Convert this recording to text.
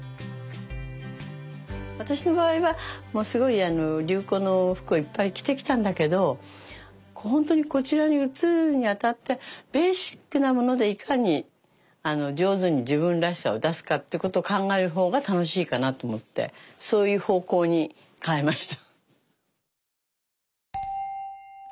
私の場合はもうすごい流行の服をいっぱい着てきたんだけどほんとにこちらに移るにあたってベーシックなものでいかに上手に自分らしさを出すかってことを考える方が楽しいかなと思ってそういう方向に変えました。